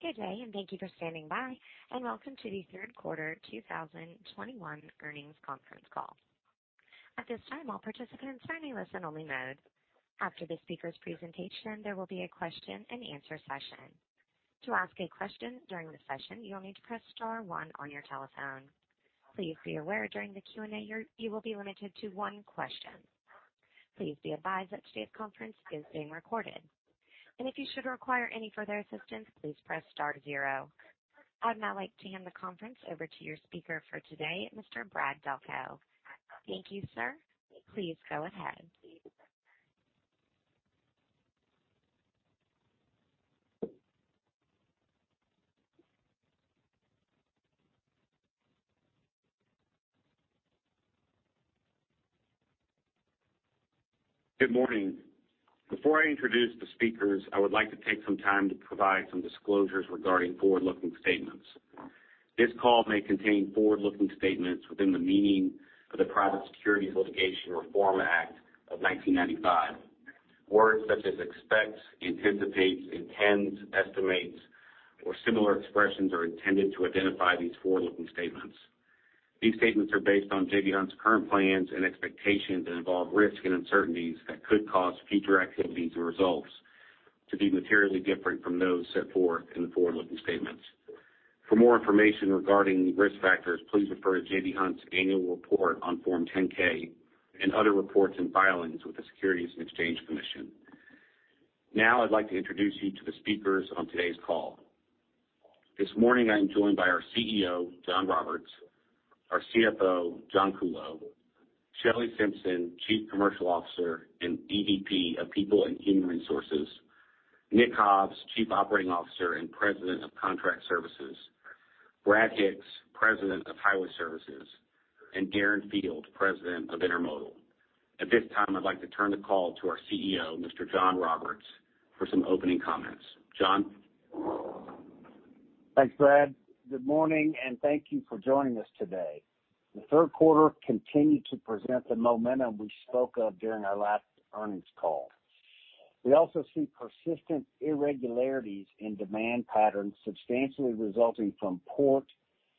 Good day. Thank you for standing by, and Welcome to the Third Quarter 2021 Earnings Conference Call. At this time, all participants are in listen-only mode. After the speaker's presentation, there will be a question and answer session. To ask a question during the session, you'll need to press star one on your telephone. Please be aware during the Q&A, you will be limited to one question. Please be advised that today's conference is being recorded. And if you should require any further assistance, please press star zero. I'd now like to hand the conference over to your speaker for today, Mr. Brad Delco. Thank you, sir. Please go ahead. Good morning. Before I introduce the speakers, I would like to take some time to provide some disclosures regarding forward-looking statements. This call may contain forward-looking statements within the meaning of the Private Securities Litigation Reform Act of 1995. Words such as expects, anticipates, intends, estimates, or similar expressions are intended to identify these forward-looking statements. These statements are based on J.B. Hunt's current plans and expectations and involve risks and uncertainties that could cause future activities or results to be materially different from those set forth in the forward-looking statements. For more information regarding risk factors, please refer to J.B. Hunt's annual report on Form 10-K and other reports and filings with the Securities and Exchange Commission. Now I'd like to introduce you to the speakers on today's call. This morning, I am joined by our CEO, John Roberts, our CFO, John Kuhlow, Shelley Simpson, Chief Commercial Officer and EVP of People and Human Resources, Nick Hobbs, Chief Operating Officer and President of Contract Services, Brad Hicks, President of Highway Services, and Darren Field, President of Intermodal. At this time, I'd like to turn the call to our CEO, Mr. John Roberts, for some opening comments. John? Thanks, Brad. Good morning, and thank you for joining us today. The third quarter continued to present the momentum we spoke of during our last earnings call. We also see persistent irregularities in demand patterns substantially resulting from port,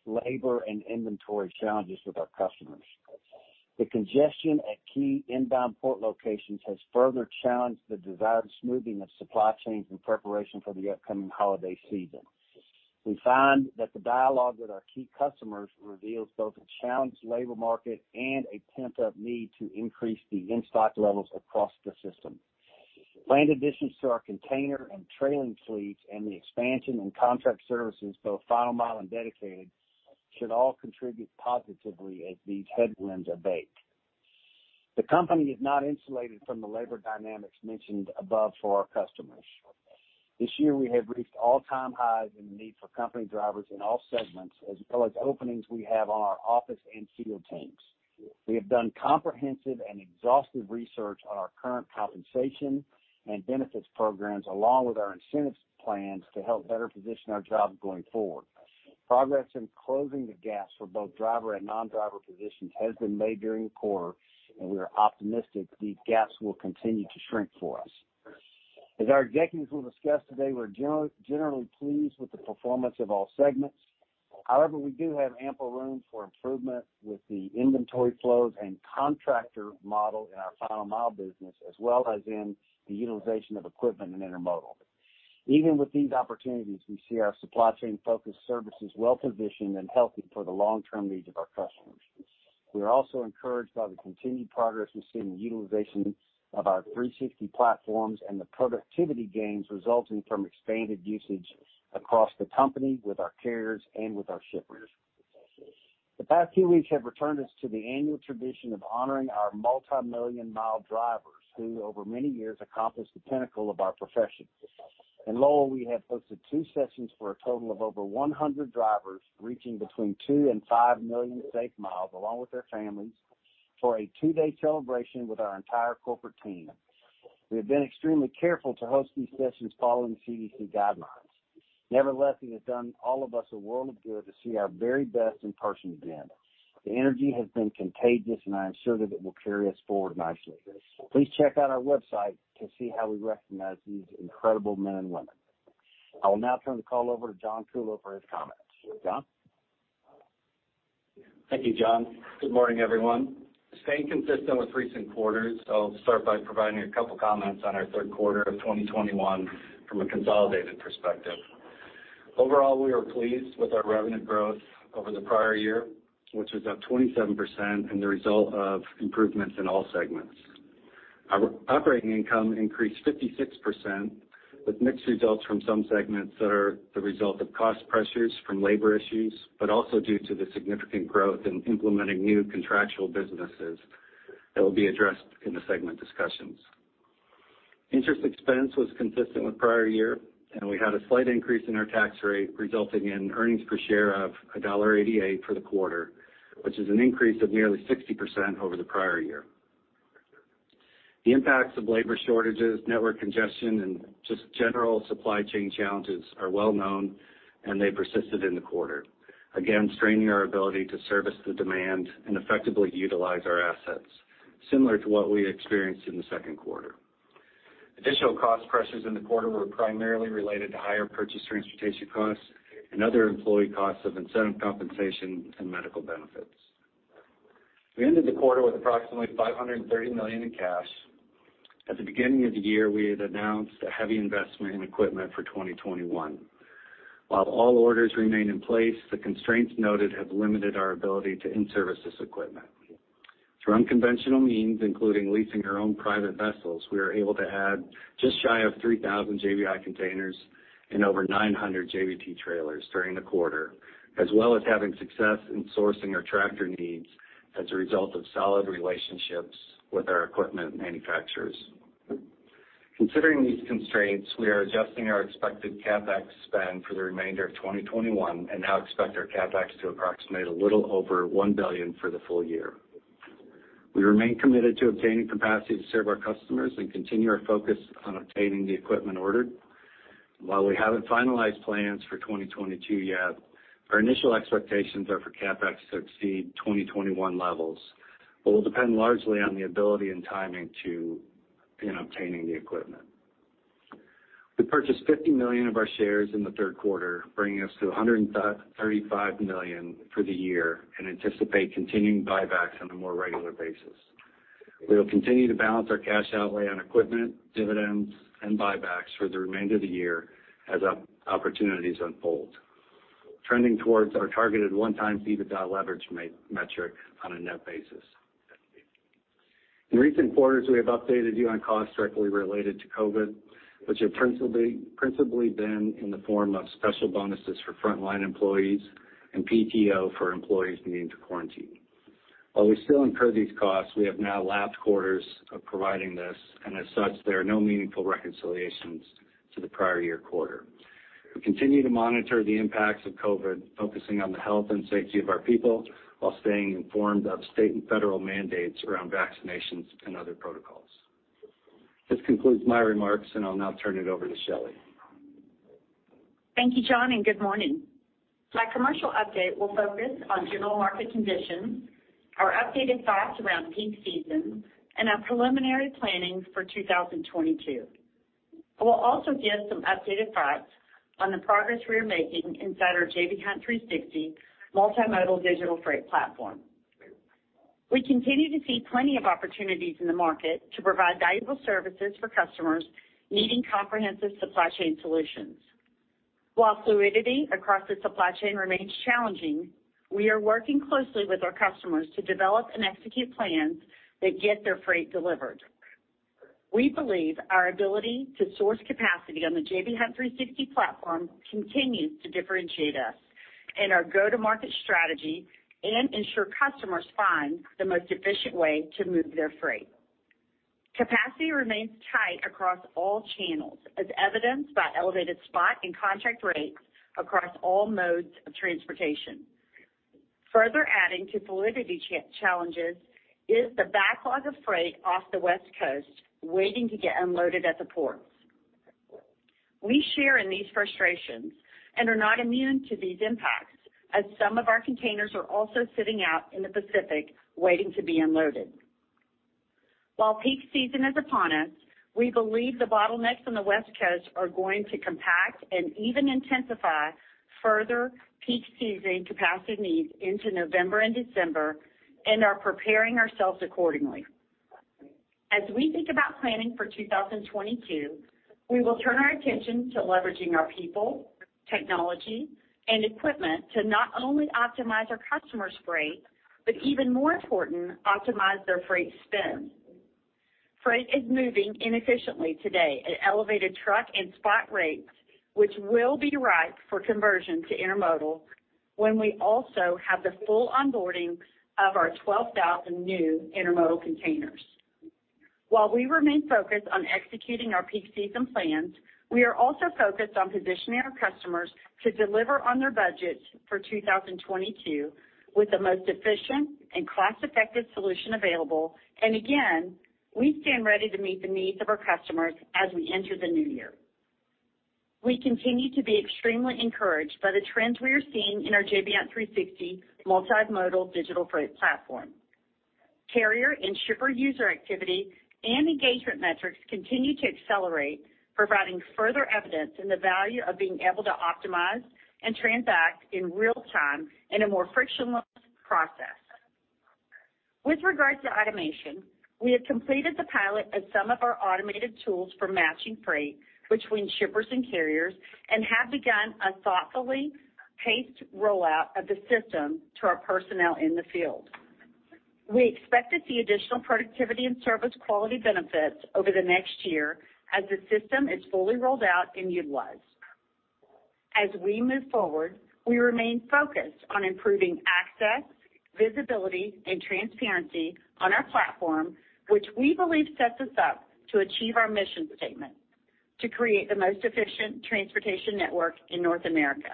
labor, and inventory challenges with our customers. The congestion at key inbound port locations has further challenged the desired smoothing of supply chains in preparation for the upcoming holiday season. We find that the dialogue with our key customers reveals both a challenged labor market and a pent-up need to increase the in-stock levels across the system. Planned additions to our container and trailing fleets and the expansion in contract services, both Final Mile and Dedicated, should all contribute positively as these headwinds abate. The company is not insulated from the labor dynamics mentioned above for our customers. This year, we have reached all-time highs in the need for company drivers in all segments, as well as openings we have on our office and field teams. We have done comprehensive and exhaustive research on our current compensation and benefits programs, along with our incentives plans, to help better position our jobs going forward. Progress in closing the gaps for both driver and non-driver positions has been made during the quarter, and we are optimistic these gaps will continue to shrink for us. As our executives will discuss today, we're generally pleased with the performance of all segments. However, we do have ample room for improvement with the inventory flows and contractor model in our Final Mile Services, as well as in the utilization of equipment and Intermodal. Even with these opportunities, we see our supply chain-focused services well-positioned and healthy for the long-term needs of our customers. We are also encouraged by the continued progress we see in the utilization of our 360 platforms and the productivity gains resulting from expanded usage across the company with our carriers and with our shippers. The past few weeks have returned us to the annual tradition of honoring our multimillion-mile drivers, who over many years accomplished the pinnacle of our profession. In Lowell, we have hosted two sessions for a total of over 100 drivers, reaching between two and five million safe miles, along with their families, for a two-day celebration with our entire corporate team. We have been extremely careful to host these sessions following CDC guidelines. Nevertheless, it has done all of us a world of good to see our very best in person again. The energy has been contagious, and I am sure that it will carry us forward nicely. Please check out our website to see how we recognize these incredible men and women. I will now turn the call over to John Kuhlow for his comments. John? Thank you, John. Good morning, everyone. Staying consistent with recent quarters, I'll start by providing a couple of comments on our third quarter of 2021 from a consolidated perspective. Overall, we are pleased with our revenue growth over the prior year, which was up 27% and the result of improvements in all segments. Our operating income increased 56%, with mixed results from some segments that are the result of cost pressures from labor issues, but also due to the significant growth in implementing new contractual businesses that will be addressed in the segment discussions. Interest expense was consistent with prior year. We had a slight increase in our tax rate, resulting in earnings per share of $1.88 for the quarter, which is an increase of nearly 60% over the prior year. The impacts of labor shortages, network congestion, and just general supply chain challenges are well known, and they persisted in the quarter, again straining our ability to service the demand and effectively utilize our assets. Similar to what we experienced in the second quarter. Additional cost pressures in the quarter were primarily related to higher purchased transportation costs and other employee costs of incentive compensation and medical benefits. We ended the quarter with approximately $530 million in cash. At the beginning of the year, we had announced a heavy investment in equipment for 2021. While all orders remain in place, the constraints noted have limited our ability to in-service this equipment. Through unconventional means, including leasing our own private vessels, we were able to add just shy of 3,000 JBI containers and over 900 JBT trailers during the quarter, as well as having success in sourcing our tractor needs as a result of solid relationships with our equipment manufacturers. Considering these constraints, we are adjusting our expected CapEx spend for the remainder of 2021 and now expect our CapEx to approximate a little over $1 billion for the full year. We remain committed to obtaining capacity to serve our customers and continue our focus on obtaining the equipment ordered. While we haven't finalized plans for 2022 yet, our initial expectations are for CapEx to exceed 2021 levels, but will depend largely on the ability and timing to obtaining the equipment. We purchased 50 million of our shares in the third quarter, bringing us to 135 million for the year, and anticipate continuing buybacks on a more regular basis. We will continue to balance our cash outlay on equipment, dividends, and buybacks for the remainder of the year as opportunities unfold, trending towards our targeted 1x EBITDA leverage metric on a net basis. In recent quarters, we have updated you on costs directly related to COVID, which have principally been in the form of special bonuses for frontline employees and PTO for employees needing to quarantine. While we still incur these costs, we have now lapsed quarters of providing this, and as such, there are no meaningful reconciliations to the prior year quarter. We continue to monitor the impacts of COVID, focusing on the health and safety of our people while staying informed of state and federal mandates around vaccinations and other protocols. This concludes my remarks, and I'll now turn it over to Shelley. Thank you, John, and good morning. My commercial update will focus on general market conditions, our updated thoughts around peak season, and our preliminary planning for 2022. I will also give some updated thoughts on the progress we are making inside our J.B. Hunt 360 Multimodal Digital Freight Platform. We continue to see plenty of opportunities in the market to provide valuable services for customers needing comprehensive supply chain solutions. While fluidity across the supply chain remains challenging, we are working closely with our customers to develop and execute plans that get their freight delivered. We believe our ability to source capacity on the J.B. Hunt 360 platform continues to differentiate us and our go-to-market strategy and ensure customers find the most efficient way to move their freight. Capacity remains tight across all channels, as evidenced by elevated spot and contract rates across all modes of transportation. Further adding to fluidity challenges is the backlog of freight off the West Coast waiting to get unloaded at the ports. We share in these frustrations and are not immune to these impacts, as some of our containers are also sitting out in the Pacific waiting to be unloaded. While peak season is upon us, we believe the bottlenecks on the West Coast are going to compact and even intensify further peak season capacity needs into November and December and are preparing ourselves accordingly. As we think about planning for 2022, we will turn our attention to leveraging our people, technology, and equipment to not only optimize our customers' freight, but even more important, optimize their freight spend. Freight is moving inefficiently today at elevated Truck and spot rates, which will be ripe for conversion to Intermodal when we also have the full onboarding of our 12,000 new intermodal containers. While we remain focused on executing our peak season plans, we are also focused on positioning our customers to deliver on their budgets for 2022 with the most efficient and cost-effective solution available, and again, we stand ready to meet the needs of our customers as we enter the new year. We continue to be extremely encouraged by the trends we are seeing in our J.B. Hunt 360 Multimodal Digital Freight Platform. Carrier and shipper user activity and engagement metrics continue to accelerate, providing further evidence in the value of being able to optimize and transact in real time in a more frictionless process. With regards to automation, we have completed the pilot of some of our automated tools for matching freight between shippers and carriers and have begun a thoughtfully paced rollout of the system to our personnel in the field. We expect to see additional productivity and service quality benefits over the next year as the system is fully rolled out and utilized. As we move forward, we remain focused on improving access, visibility, and transparency on our platform, which we believe sets us up to achieve our mission statement to create the most efficient transportation network in North America.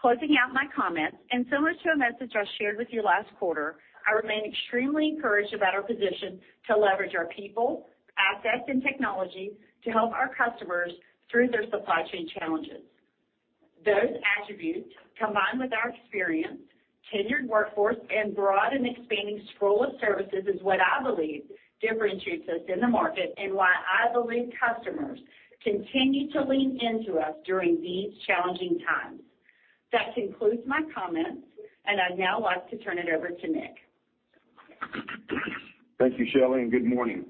Closing out my comments, and similar to a message I shared with you last quarter, I remain extremely encouraged about our position to leverage our people, assets, and technology to help our customers through their supply chain challenges. Those attributes, combined with our experience, tenured workforce, and broad and expanding scope of services, is what I believe differentiates us in the market and why I believe customers continue to lean into us during these challenging times. That concludes my comments, and I'd now like to turn it over to Nick. Thank you, Shelley, and good morning.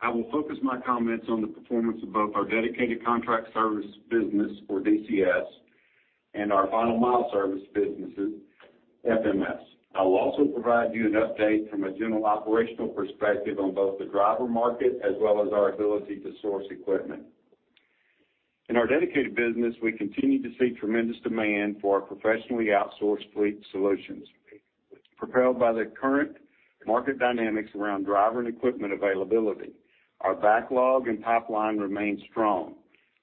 I will focus my comments on the performance of both our Dedicated Contract Services business, or DCS, and our Final Mile Services businesses, FMS. I will also provide you an update from a general operational perspective on both the driver market as well as our ability to source equipment. In our Dedicated business, we continue to see tremendous demand for our professionally outsourced fleet solutions. Propelled by the current market dynamics around driver and equipment availability, our backlog and pipeline remain strong.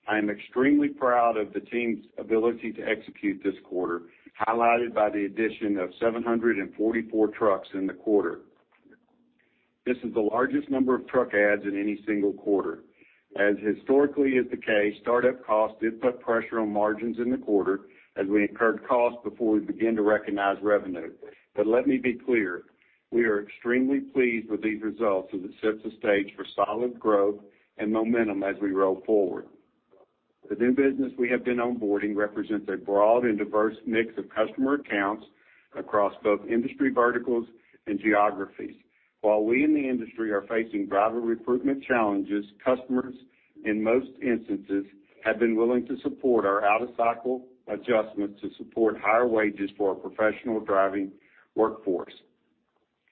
I am extremely proud of the team's ability to execute this quarter, highlighted by the addition of 744 trucks in the quarter. This is the largest number of truck adds in any single quarter. As historically is the case, startup costs did put pressure on margins in the quarter as we incurred costs before we begin to recognize revenue. Let me be clear, we are extremely pleased with these results, as it sets the stage for solid growth and momentum as we roll forward. The new business we have been onboarding represents a broad and diverse mix of customer accounts across both industry verticals and geographies. While we in the industry are facing driver recruitment challenges, customers, in most instances, have been willing to support our out of cycle adjustments to support higher wages for our professional driving workforce.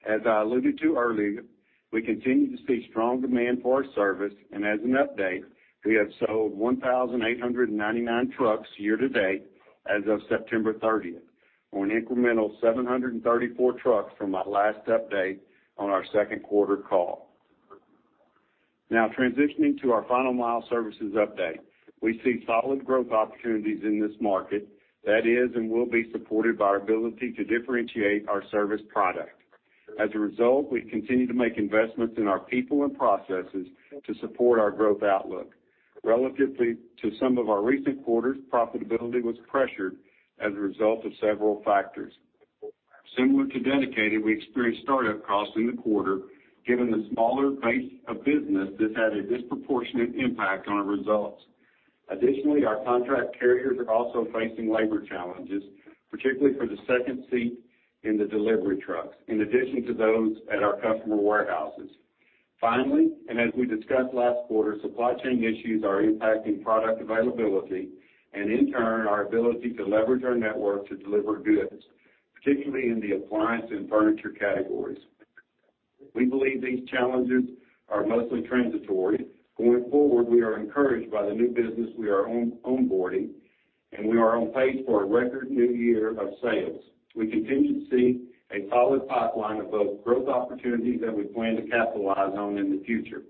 As I alluded to earlier, we continue to see strong demand for our service. As an update, we have sold 1,899 trucks year to date as of September 30th, on an incremental 734 trucks from my last update on our second quarter call. Now transitioning to our Final Mile Services update. We see solid growth opportunities in this market that is and will be supported by our ability to differentiate our service product. As a result, we continue to make investments in our people and processes to support our growth outlook. Relative to some of our recent quarters, profitability was pressured as a result of several factors. Similar to Dedicated, we experienced startup costs in the quarter. Given the smaller base of business, this had a disproportionate impact on our results. Additionally, our contract carriers are also facing labor challenges, particularly for the second seat in the delivery trucks, in addition to those at our customer warehouses. Finally, and as we discussed last quarter, supply chain issues are impacting product availability and in turn, our ability to leverage our network to deliver goods, particularly in the appliance and furniture categories. We believe these challenges are mostly transitory. Going forward, we are encouraged by the new business we are onboarding, and we are on pace for a record new year of sales. We continue to see a solid pipeline of both growth opportunities that we plan to capitalize on in the future.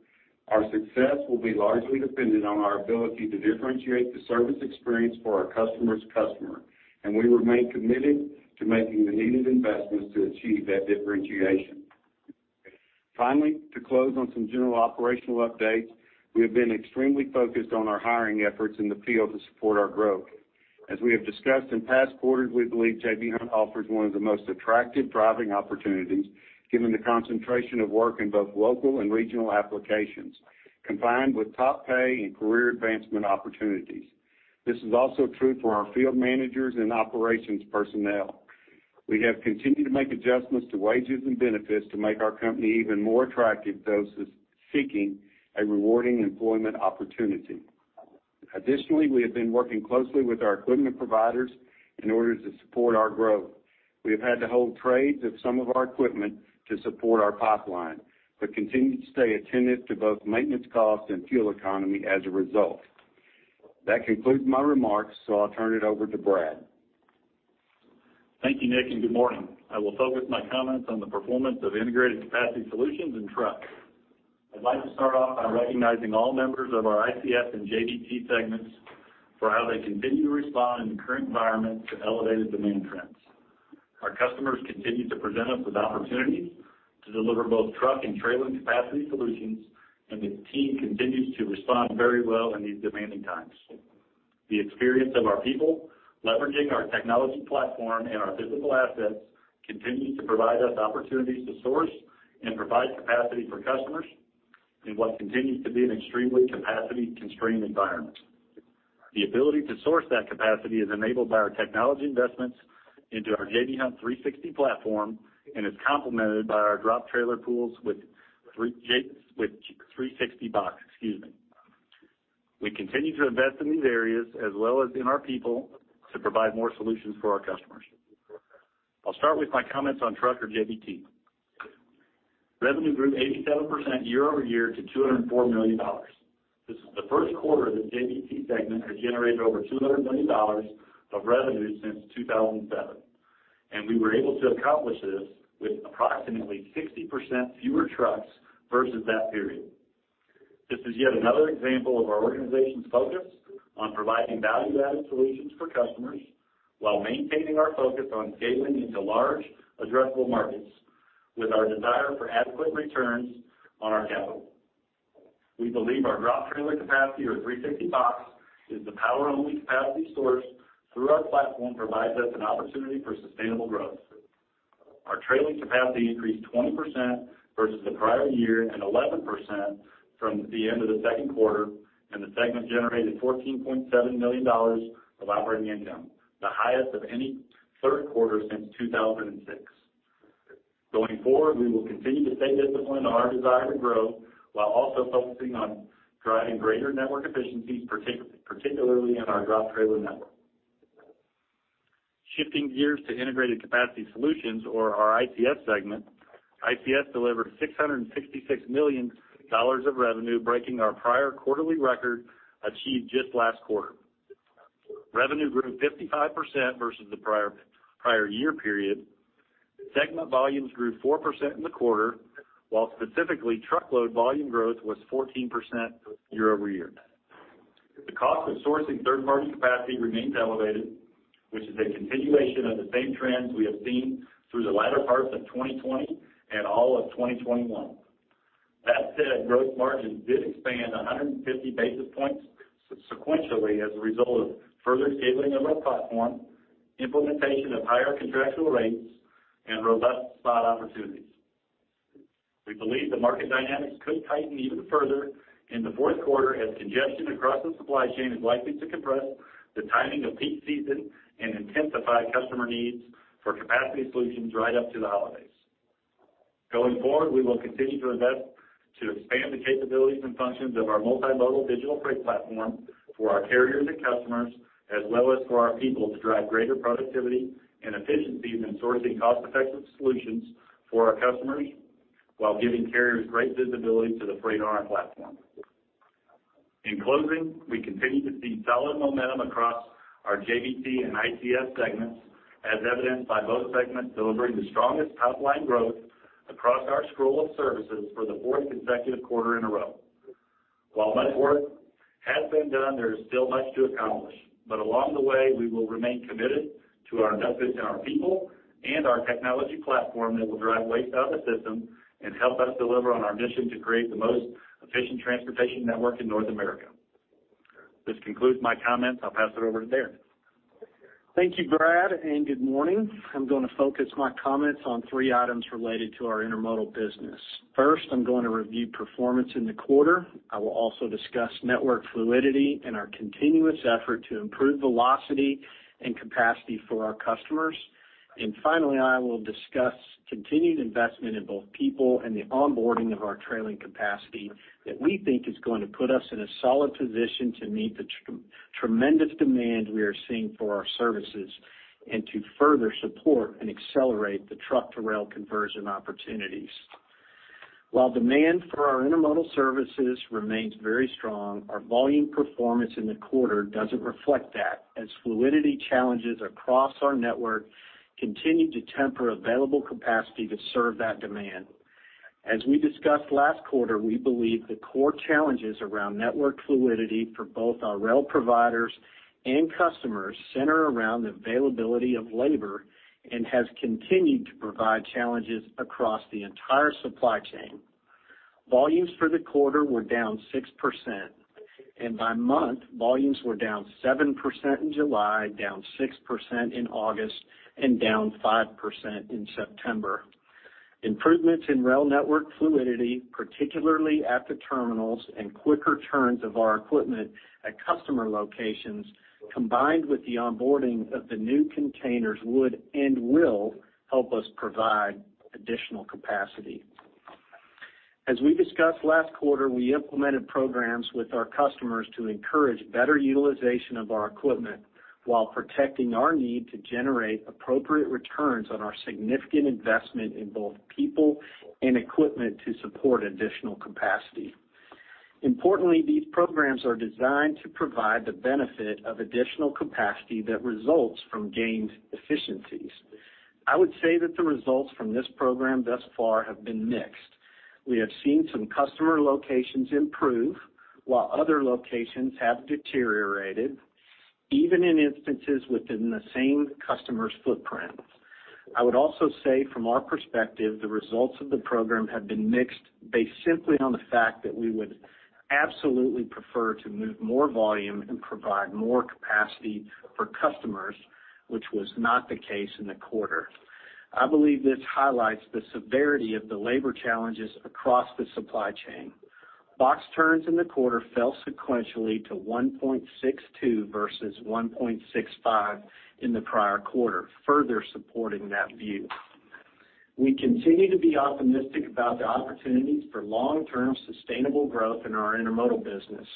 Our success will be largely dependent on our ability to differentiate the service experience for our customer's customer, and we remain committed to making the needed investments to achieve that differentiation. Finally, to close on some general operational updates, we have been extremely focused on our hiring efforts in the field to support our growth. As we have discussed in past quarters, we believe J.B. Hunt offers one of the most attractive driving opportunities, given the concentration of work in both local and regional applications, combined with top pay and career advancement opportunities. This is also true for our field managers and operations personnel. We have continued to make adjustments to wages and benefits to make our company even more attractive to those seeking a rewarding employment opportunity. Additionally, we have been working closely with our equipment providers in order to support our growth. We have had to hold trades of some of our equipment to support our pipeline, but continue to stay attentive to both maintenance costs and fuel economy as a result. That concludes my remarks, so I'll turn it over to Brad. Thank you, Nick, and good morning. I will focus my comments on the performance of Integrated Capacity Solutions and truck. I'd like to start off by recognizing all members of our ICS and JBT segments for how they continue to respond in the current environment to elevated demand trends. Our customers continue to present us with opportunities to deliver both truck and trailer capacity solutions, and the team continues to respond very well in these demanding times. The experience of our people, leveraging our technology platform and our physical assets, continue to provide us opportunities to source and provide capacity for customers in what continues to be an extremely capacity-constrained environment. The ability to source that capacity is enabled by our technology investments into our J.B. Hunt 360 platform and is complemented by our drop trailer pools with 360box. Excuse me. We continue to invest in these areas as well as in our people to provide more solutions for our customers. I'll start with my comments on truck or JBT. Revenue grew 87% year-over-year to $204 million. This is the first quarter that JBT segment has generated over $200 million of revenue since 2007, and we were able to accomplish this with approximately 60% fewer trucks versus that period. This is yet another example of our organization's focus on providing value-added solutions for customers while maintaining our focus on scaling into large addressable markets with our desire for adequate returns on our capital. We believe our drop trailer capacity, or 360box, is the power-only capacity source through our platform provides us an opportunity for sustainable growth. Our trailing capacity increased 20% versus the prior year and 11% from the end of the second quarter, and the segment generated $14.7 million of operating income, the highest of any third quarter since 2006. Going forward, we will continue to stay disciplined on our desire to grow while also focusing on driving greater network efficiencies, particularly in our drop trailer network. Shifting gears to Integrated Capacity Solutions, or our ICS segment, ICS delivered $666 million of revenue, breaking our prior quarterly record achieved just last quarter. Revenue grew 55% versus the prior year period. Segment volumes grew 4% in the quarter, while specifically truckload volume growth was 14% year-over-year. The cost of sourcing third-party capacity remains elevated, which is a continuation of the same trends we have seen through the latter parts of 2020 and all of 2021. That said, gross margins did expand 150 basis points sequentially as a result of further scaling of our platform, implementation of higher contractual rates, and robust spot opportunities. We believe the market dynamics could tighten even further in the fourth quarter as congestion across the supply chain is likely to compress the timing of peak season and intensify customer needs for capacity solutions right up to the holidays. Going forward, we will continue to invest to expand the capabilities and functions of our multimodal digital freight platform for our carriers and customers, as well as for our people, to drive greater productivity and efficiencies in sourcing cost-effective solutions for our customers while giving carriers great visibility to the freight on our platform. In closing, we continue to see solid momentum across our JBT and ICS segments, as evidenced by both segments delivering the strongest top-line growth across our scope of services for the fourth consecutive quarter in a row. While much work has been done, there is still much to accomplish. Along the way, we will remain committed to our investments in our people and our technology platform that will drive waste out of the system and help us deliver on our mission to create the most efficient transportation network in North America. This concludes my comments. I'll pass it over to Darren. Thank you, Brad, and good morning. I'm going to focus my comments on three items related to our Intermodal business. First, I'm going to review performance in the quarter. I will also discuss network fluidity and our continuous effort to improve velocity and capacity for our customers. Finally, I will discuss continued investment in both people and the onboarding of our trailing capacity that we think is going to put us in a solid position to meet the tremendous demand we are seeing for our services and to further support and accelerate the truck-to-rail conversion opportunities. While demand for our Intermodal services remains very strong, our volume performance in the quarter doesn't reflect that, as fluidity challenges across our network continue to temper available capacity to serve that demand. As we discussed last quarter, we believe the core challenges around network fluidity for both our rail providers and customers center around the availability of labor and has continued to provide challenges across the entire supply chain. Volumes for the quarter were down 6%, and by month, volumes were down 7% in July, down 6% in August, and down 5% in September. Improvements in rail network fluidity, particularly at the terminals and quicker turns of our equipment at customer locations, combined with the onboarding of the new containers would and will help us provide additional capacity. As we discussed last quarter, we implemented programs with our customers to encourage better utilization of our equipment while protecting our need to generate appropriate returns on our significant investment in both people and equipment to support additional capacity. Importantly, these programs are designed to provide the benefit of additional capacity that results from gained efficiencies. I would say that the results from this program thus far have been mixed. We have seen some customer locations improve while other locations have deteriorated, even in instances within the same customer's footprint. I would also say from our perspective, the results of the program have been mixed based simply on the fact that we would absolutely prefer to move more volume and provide more capacity for customers, which was not the case in the quarter. I believe this highlights the severity of the labor challenges across the supply chain. Box turns in the quarter fell sequentially to 1.62 versus 1.65 in the prior quarter, further supporting that view. We continue to be optimistic about the opportunities for long-term sustainable growth in our Intermodal business.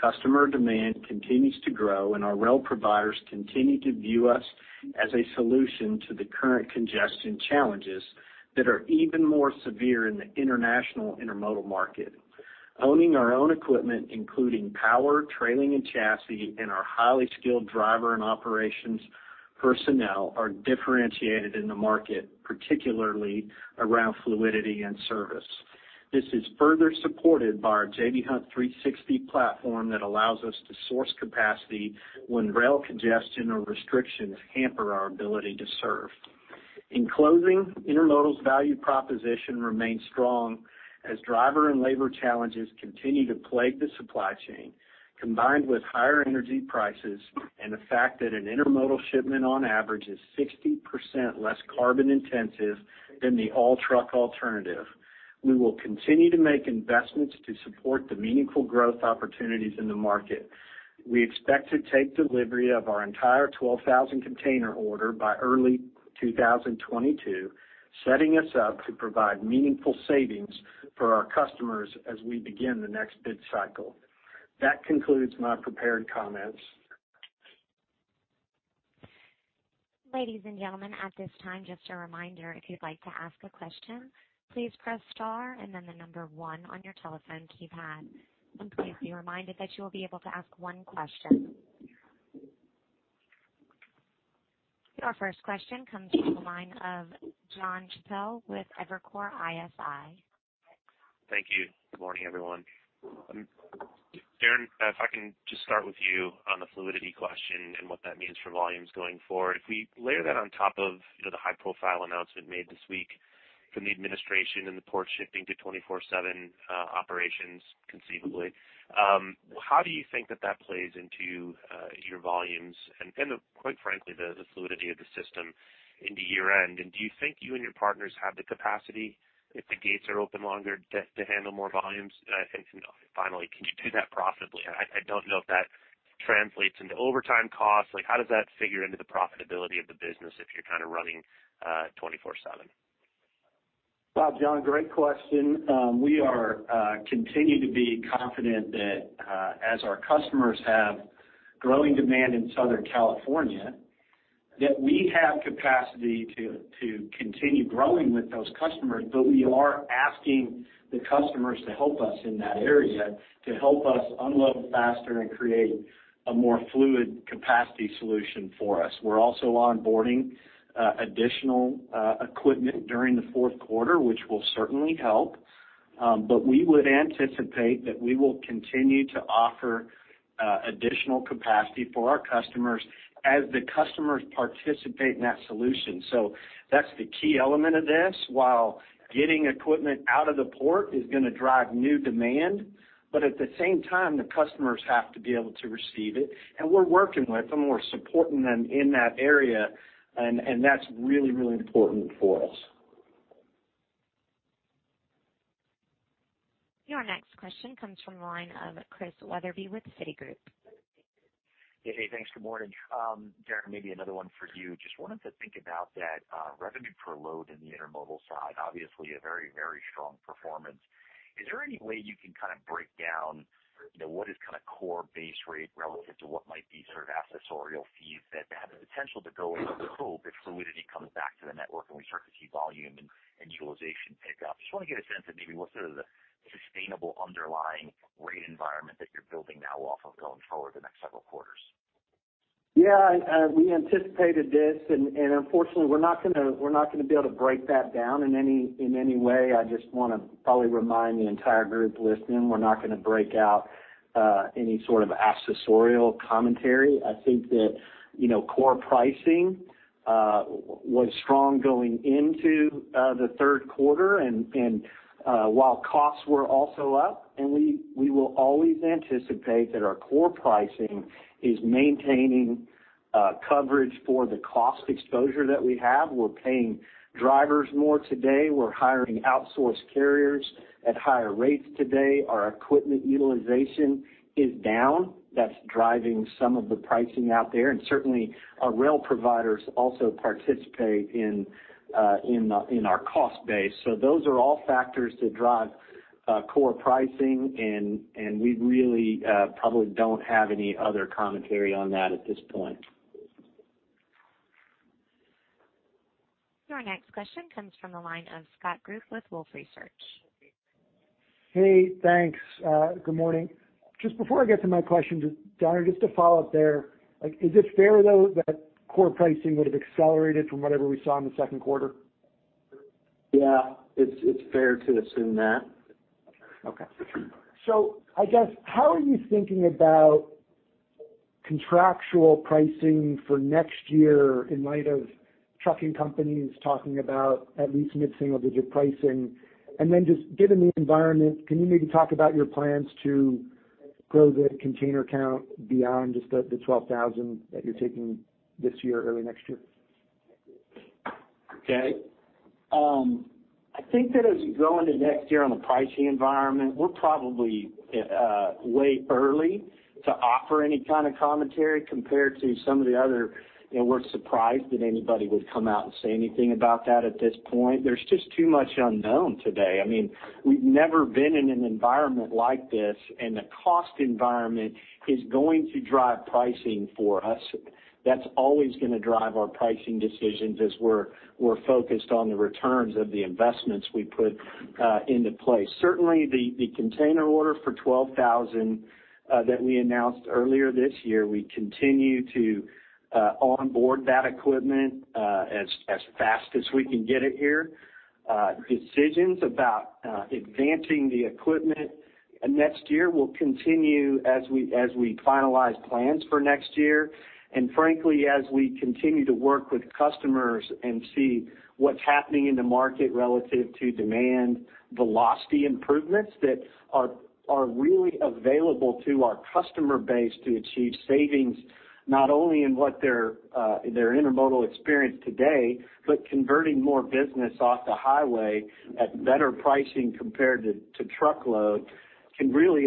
Customer demand continues to grow, and our rail providers continue to view us as a solution to the current congestion challenges that are even more severe in the international intermodal market. Owning our own equipment, including power, trailing, and chassis, and our highly skilled driver and operations personnel are differentiated in the market, particularly around fluidity and service. This is further supported by our J.B. Hunt 360 platform that allows us to source capacity when rail congestion or restrictions hamper our ability to serve. In closing, Intermodal's value proposition remains strong as driver and labor challenges continue to plague the supply chain, combined with higher energy prices and the fact that an intermodal shipment on average is 60% less carbon intensive than the all truck alternative. We will continue to make investments to support the meaningful growth opportunities in the market. We expect to take delivery of our entire 12,000 container order by early 2022, setting us up to provide meaningful savings for our customers as we begin the next bid cycle. That concludes my prepared comments. Ladies and gentlemen, at this time, just a reminder, if you'd like to ask a question, please press star and then the number one on your telephone keypad. Please be reminded that you will be able to ask one question. Our first question comes from the line of Jon Chappell with Evercore ISI. Thank you. Good morning, everyone. Darren, if I can just start with you on the fluidity question and what that means for volumes going forward. If we layer that on top of the high profile announcement made this week from the administration and the port shifting to 24/7 operations conceivably, how do you think that that plays into your volumes and quite frankly, the fluidity of the system into year end? Do you think you and your partners have the capacity if the gates are open longer to handle more volumes? I think finally, can you do that profitably? I don't know if that translates into overtime costs. How does that figure into the profitability of the business if you're running 24/7? Well, John, great question. We are continuing to be confident that as our customers have growing demand in Southern California, that we have capacity to continue growing with those customers. We are asking the customers to help us in that area, to help us unload faster and create a more fluid capacity solution for us. We're also onboarding additional equipment during the fourth quarter, which will certainly help. We would anticipate that we will continue to offer additional capacity for our customers as the customers participate in that solution. That's the key element of this. While getting equipment out of the port is going to drive new demand, but at the same time, the customers have to be able to receive it. We're working with them, we're supporting them in that area, and that's really important for us. Your next question comes from the line of Christian Wetherbee with Citigroup. Hey, thanks. Good morning. Darren, maybe another one for you. Just wanted to think about that revenue per load in the Intermodal side. Obviously a very strong performance. Is there any way you can break down what is core base rate relative to what might be sort of accessorial fees that have the potential to go away, we hope, if fluidity comes back to the network and we start to see volume and utilization pick up? Just want to get a sense of maybe what sort of the sustainable underlying rate environment that you're building now off of going forward the next several quarters. Yeah. We anticipated this. Unfortunately, we're not going to be able to break that down in any way. I just want to probably remind the entire group listening, we're not going to break out any sort of accessorial commentary. I think that core pricing was strong going into the third quarter. While costs were also up, we will always anticipate that our core pricing is maintaining coverage for the cost exposure that we have. We're paying drivers more today. We're hiring outsourced carriers at higher rates today. Our equipment utilization is down. That's driving some of the pricing out there. Certainly, our rail providers also participate in our cost base. Those are all factors that drive core pricing. We really probably don't have any other commentary on that at this point. Your next question comes from the line of Scott Group with Wolfe Research. Hey, thanks. Good morning. Just before I get to my question, Darren, just to follow up there, is it fair though that core pricing would have accelerated from whatever we saw in the second quarter? Yeah. It's fair to assume that. Okay. I guess, how are you thinking about contractual pricing for next year in light of trucking companies talking about at least mid-single digit pricing? Just given the environment, can you maybe talk about your plans to grow the container count beyond just the 12,000 that you're taking this year or early next year? Okay. I think that as we go into next year on the pricing environment, we're probably way early to offer any kind of commentary compared to some of the other. We're surprised that anybody would come out and say anything about that at this point. There's just too much unknown today. We've never been in an environment like this, and the cost environment is going to drive pricing for us. That's always going to drive our pricing decisions as we're focused on the returns of the investments we put into place. Certainly, the container order for 12,000 that we announced earlier this year, we continue to onboard that equipment as fast as we can get it here. Decisions about advancing the equipment next year will continue as we finalize plans for next year. Frankly, as we continue to work with customers and see what's happening in the market relative to demand velocity improvements that are really available to our customer base to achieve savings, not only in their Intermodal experience today, but converting more business off the highway at better pricing compared to Truckload, can really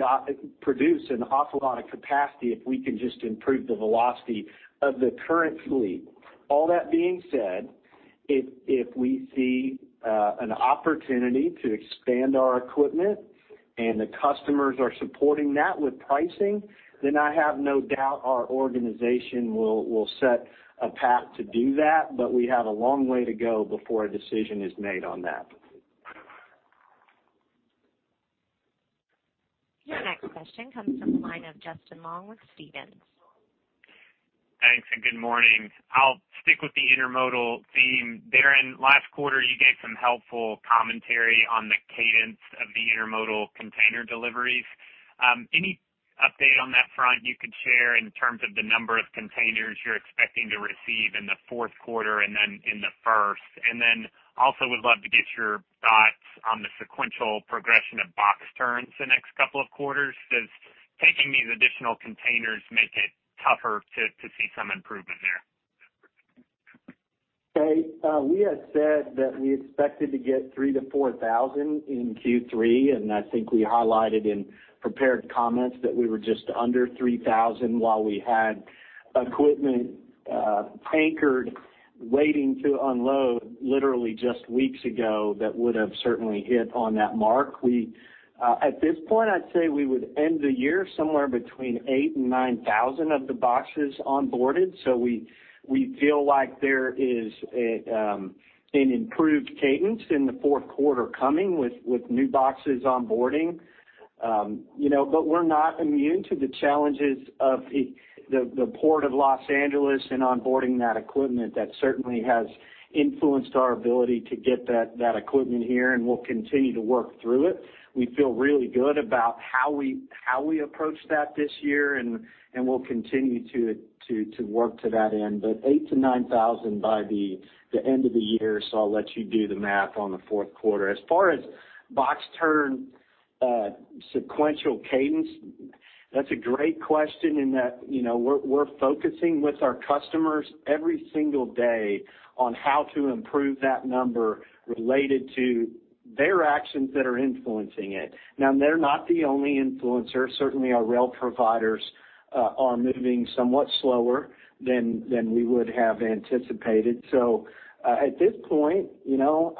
produce an awful lot of capacity if we can just improve the velocity of the current fleet. All that being said, if we see an opportunity to expand our equipment and the customers are supporting that with pricing, I have no doubt our organization will set a path to do that. We have a long way to go before a decision is made on that. Your next question comes from the line of Justin Long with Stephens. Thanks, good morning. I'll stick with the Intermodal theme. Darren, last quarter, you gave some helpful commentary on the cadence of the Intermodal container deliveries. Any update on that front you could share in terms of the number of containers you're expecting to receive in the fourth quarter and then in the first? Also would love to get your thoughts on the sequential progression of box turns the next couple of quarters. Does taking these additional containers make it tougher to see some improvement there? Okay. We had said that we expected to get 3,000 to 4,000 in Q3. I think we highlighted in prepared comments that we were just under 3,000 while we had equipment anchored, waiting to unload literally just weeks ago, that would've certainly hit on that mark. At this point, I'd say we would end the year somewhere between 8,000 and 9,000 of the boxes onboarded. We feel like there is an improved cadence in the fourth quarter coming with new boxes onboarding. We're not immune to the challenges of the Port of Los Angeles and onboarding that equipment. That certainly has influenced our ability to get that equipment here, and we'll continue to work through it. We feel really good about how we approach that this year, and we'll continue to work to that end. 8,000 to 9,000 by the end of the year. I'll let you do the math on the fourth quarter. As far as box turn sequential cadence, that's a great question in that we're focusing with our customers every single day on how to improve that number related to their actions that are influencing it. Now they're not the only influencer. Certainly, our rail providers are moving somewhat slower than we would have anticipated. At this point,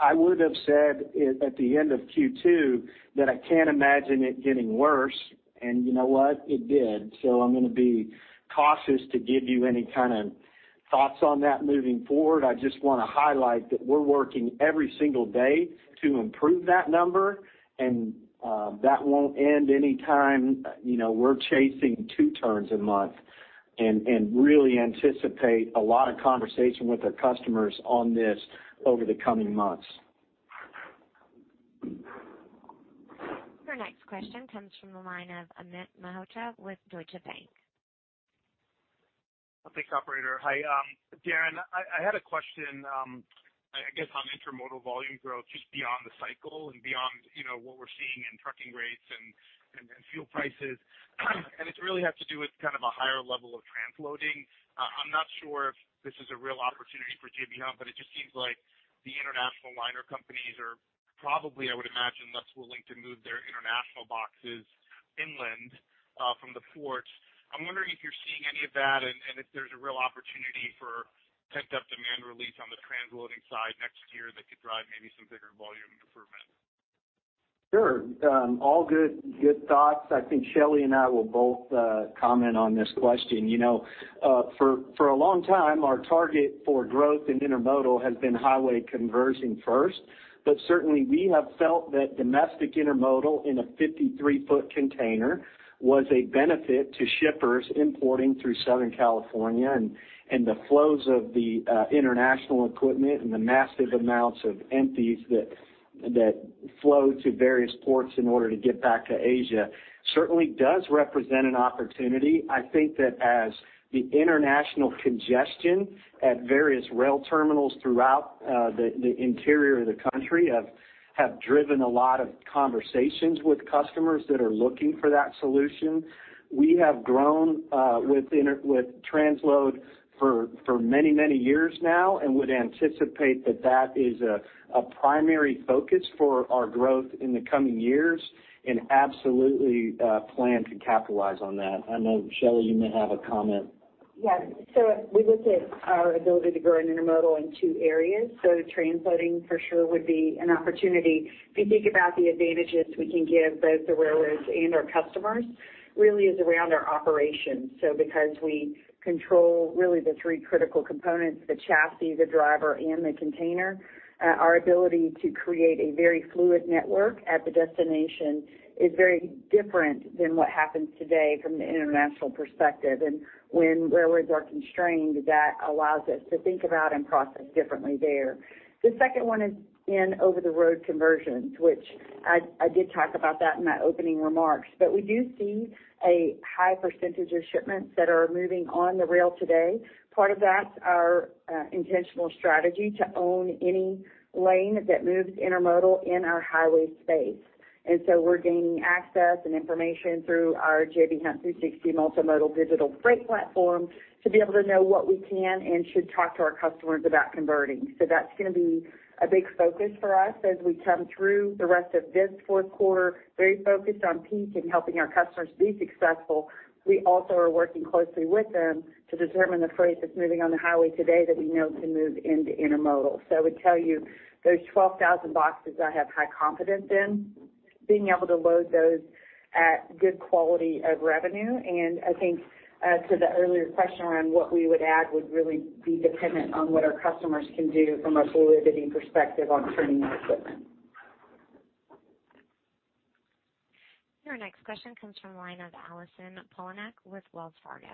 I would've said at the end of Q2 that I can't imagine it getting worse, and you know what? It did. I'm going to be cautious to give you any kind of thoughts on that moving forward. I just want to highlight that we're working every single day to improve that number, and that won't end anytime. We're chasing 2 turns a month and really anticipate a lot of conversation with our customers on this over the coming months. Your next question comes from the line of Amit Mehrotra with Deutsche Bank. Thanks, operator. Hi, Darren. I had a question, I guess, on Intermodal volume growth just beyond the cycle and beyond what we're seeing in trucking rates and fuel prices. This really has to do with kind of a higher level of transloading. I'm not sure if this is a real opportunity for J.B. Hunt, but it just seems like the international liner companies are probably, I would imagine, less willing to move their international boxes inland from the ports. I'm wondering if you're seeing any of that and if there's a real opportunity for pent-up demand release on the transloading side next year that could drive maybe some bigger volume improvement. Sure. All good thoughts. I think Shelley and I will both comment on this question. For a long time, our target for growth in intermodal has been highway conversion first. Certainly, we have felt that domestic intermodal in a 53-foot container was a benefit to shippers importing through Southern California, and the flows of the international equipment and the massive amounts of empties that flow to various ports in order to get back to Asia certainly does represent an opportunity. I think that as the international congestion at various rail terminals throughout the interior of the country have driven a lot of conversations with customers that are looking for that solution. We have grown with transload for many, many years now and would anticipate that that is a primary focus for our growth in the coming years and absolutely plan to capitalize on that. I know, Shelley, you may have a comment. Yes. We looked at our ability to grow in Intermodal in two areas. Transloading for sure would be an opportunity. If you think about the advantages we can give both the railroads and our customers, really is around our operations. Because we control really the three critical components, the chassis, the driver, and the container, our ability to create a very fluid network at the destination is very different than what happens today from the international perspective. When railroads are constrained, that allows us to think about and process differently there. The second one is in over-the-road conversions, which I did talk about that in my opening remarks. We do see a high percentage of shipments that are moving on the rail today. Part of that, our intentional strategy to own any lane that moves Intermodal in our highway space. We're gaining access and information through our J.B. Hunt 360 multimodal digital freight platform to be able to know what we can and should talk to our customers about converting. That's going to be a big focus for us as we come through the rest of this fourth quarter, very focused on peak and helping our customers be successful. We also are working closely with them to determine the freight that's moving on the highway today that we know can move into Intermodal. I would tell you, those 12,000 boxes I have high confidence in being able to load those at good quality of revenue. I think to the earlier question around what we would add, would really be dependent on what our customers can do from a fluidity perspective on turning their equipment. Your next question comes from the line of Allison Poliniak with Wells Fargo.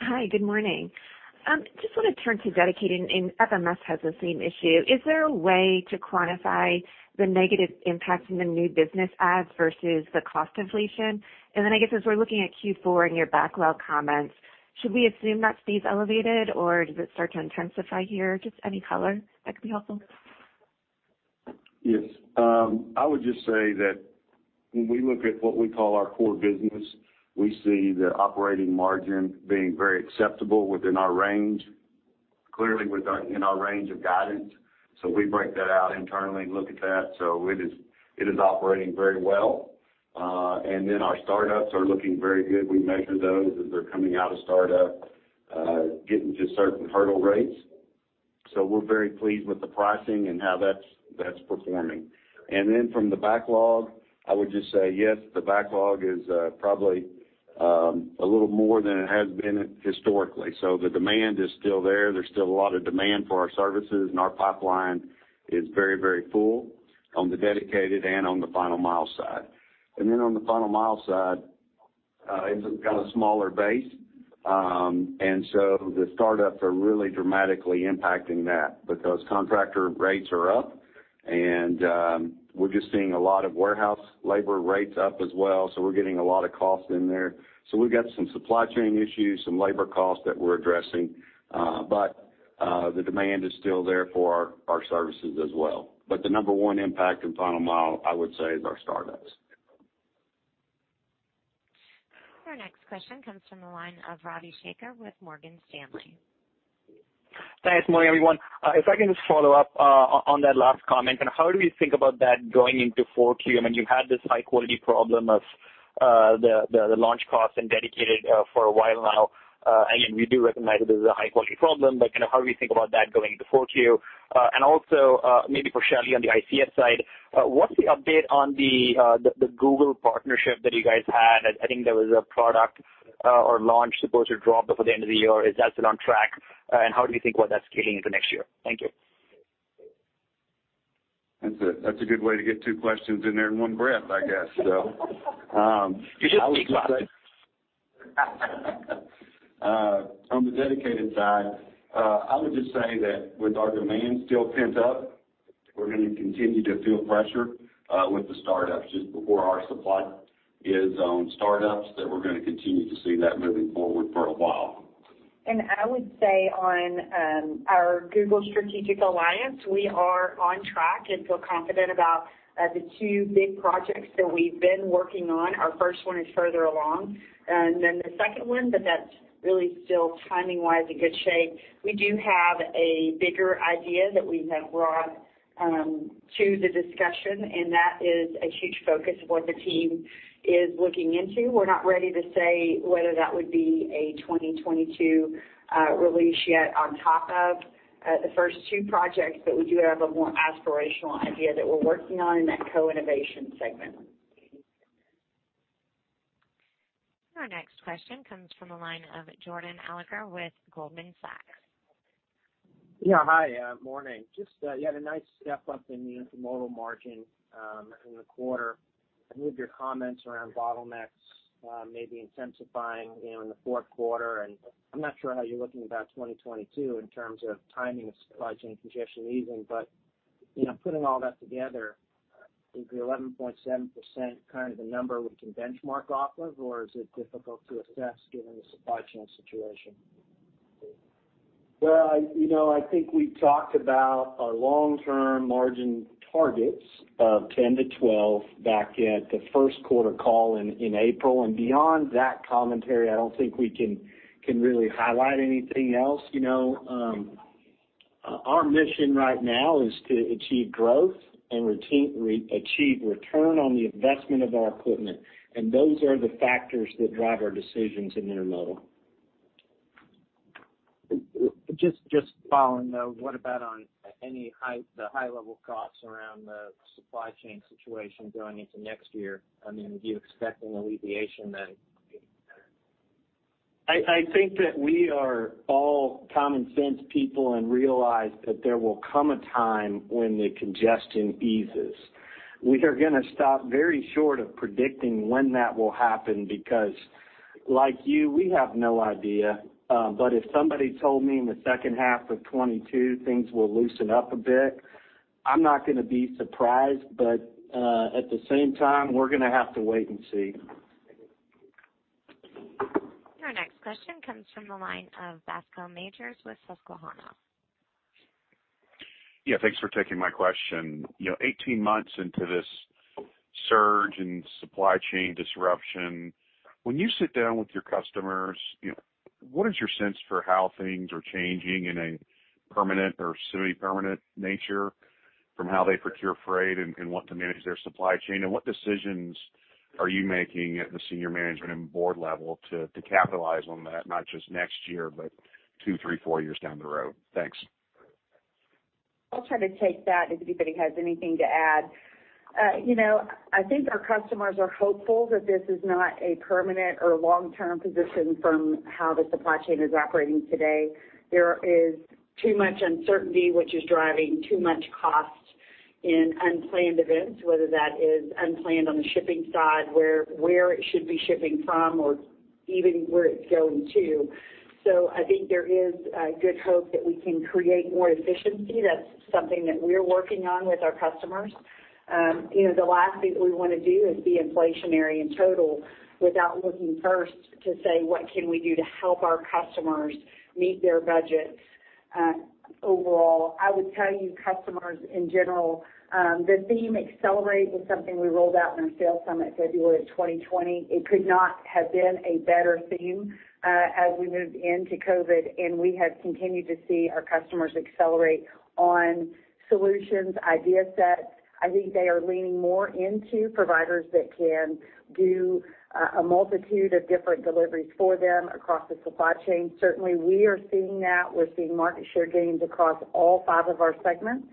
Hi, good morning. Just want to turn to Dedicated, and FMS has the same issue. Is there a way to quantify the negative impact from the new business adds versus the cost inflation? I guess as we're looking at Q4 and your backlog comments, should we assume that stays elevated or does it start to intensify here? Just any color that could be helpful. Yes. I would just say that when we look at what we call our core business, we see the operating margin being very acceptable within our range. Clearly within our range of guidance. We break that out internally and look at that. It is operating very well. Our startups are looking very good. We measure those as they're coming out of startup, getting to certain hurdle rates. We're very pleased with the pricing and how that's performing. From the backlog, I would just say yes, the backlog is probably a little more than it has been historically. The demand is still there. There's still a lot of demand for our services, and our pipeline is very full on the Dedicated and on the Final Mile side. On the Final Mile side, it's got a smaller base. The startups are really dramatically impacting that because contractor rates are up, and we're just seeing a lot of warehouse labor rates up as well. We're getting a lot of cost in there. We've got some supply chain issues, some labor costs that we're addressing. The demand is still there for our services as well. The number one impact in Final Mile, I would say, is our startups. Our next question comes from the line of Ravi Shanker with Morgan Stanley. Thanks. Morning, everyone. If I can just follow up on that last comment, and how do we think about that going into 4Q? You had this high quality problem of the launch cost in Dedicated for a while now. We do recognize that this is a high quality problem, but how do we think about that going into 4Q? Also, maybe for Shelley on the ICS side, what's the update on the Google partnership that you guys had? I think there was a product or launch supposed to drop before the end of the year. Is that still on track? How do you think about that scaling into next year? Thank you. That's a good way to get two questions in there in one breath, I guess, so. You should take classes. On the dedicated side, I would just say that with our demand still pent up, we're going to continue to feel pressure with the startups just before our supply is on startups, that we're going to continue to see that moving forward for a while. I would say on our Google strategic alliance, we are on track and feel confident about the two big projects that we've been working on. Our first one is further along. The second one, that's really still timing-wise in good shape. We do have a bigger idea that we have brought to the discussion, that is a huge focus of what the team is looking into. We're not ready to say whether that would be a 2022 release yet on top of the first two projects. We do have a more aspirational idea that we're working on in that co-innovation segment. Our next question comes from the line of Jordan Alliger with Goldman Sachs. Yeah. Hi, morning. Just you had a nice step up in the Intermodal margin in the quarter. I know of your comments around bottlenecks maybe intensifying in the fourth quarter. I'm not sure how you're looking about 2022 in terms of timing of supply chain congestion easing. Putting all that together, is the 11.7% kind of the number we can benchmark off of, or is it difficult to assess given the supply chain situation? Well, I think we talked about our long-term margin targets of 10-12 back at the first quarter call in April. Beyond that commentary, I don't think we can really highlight anything else. Our mission right now is to achieve growth and achieve return on the investment of our equipment, and those are the factors that drive our decisions in Intermodal. Just following, though, what about on any high level costs around the supply chain situation going into next year? Do you expect an alleviation then? I think that we are all common sense people and realize that there will come a time when the congestion eases. We are going to stop very short of predicting when that will happen because, like you, we have no idea. If somebody told me in the second half of 2022 things will loosen up a bit, I'm not going to be surprised. At the same time, we're going to have to wait and see. Your next question comes from the line of Bascome Majors with Susquehanna. Yeah, thanks for taking my question. 18 months into this surge in supply chain disruption, when you sit down with your customers, what is your sense for how things are changing in a permanent or semi-permanent nature from how they procure freight and want to manage their supply chain? What decisions are you making at the senior management and board level to capitalize on that, not just next year, but two, three, four years down the road? Thanks. I'll try to take that if anybody has anything to add. I think our customers are hopeful that this is not a permanent or long-term position from how the supply chain is operating today. There is too much uncertainty, which is driving too much cost in unplanned events, whether that is unplanned on the shipping side, where it should be shipping from, or even where it's going to. I think there is a good hope that we can create more efficiency. That's something that we're working on with our customers. The last thing that we want to do is be inflationary in total without looking first to say, what can we do to help our customers meet their budgets overall? I would tell you customers in general, the theme "Accelerate" was something we rolled out in our sales summit February 2020. It could not have been a better theme as we moved into COVID. We have continued to see our customers accelerate on solutions, idea sets. I think they are leaning more into providers that can do a multitude of different deliveries for them across the supply chain. Certainly, we are seeing that. We're seeing market share gains across all five of our segments.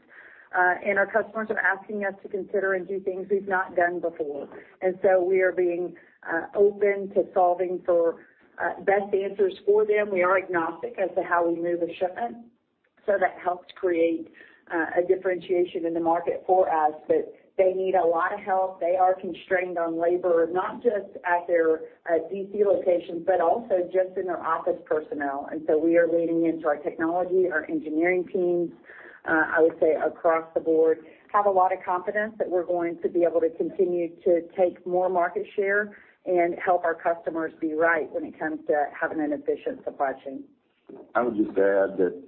Our customers are asking us to consider and do things we've not done before. We are being open to solving for best answers for them. We are agnostic as to how we move a shipment, so that helps create a differentiation in the market for us. They need a lot of help. They are constrained on labor, not just at their DC locations, but also just in their office personnel. We are leaning into our technology, our engineering teams. I would say across the board, have a lot of confidence that we're going to be able to continue to take more market share and help our customers be right when it comes to having an efficient supply chain. I would just add that